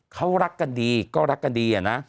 เขารักกันดีก็รักกันดีอะนะ